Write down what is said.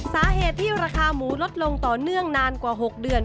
สาเหตุที่ราคาหมูลดลงต่อเนื่องนานกว่า๖เดือน